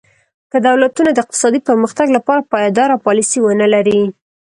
که دولتونه د اقتصادي پرمختګ لپاره پایداره پالیسي ونه لري.